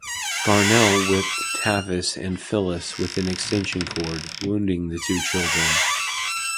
Garnell whipped Tavis and Phyllis with an extension cord, wounding the two children.